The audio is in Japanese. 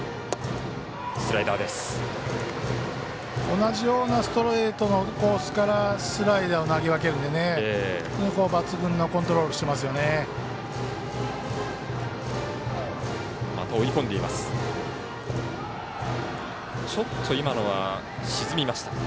同じようなコースからスライダーを投げ分けるので抜群のコントロールしてますよね。